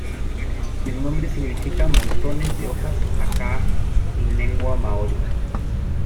El nombre significa "montones de hojas aka" en la lengua maorí.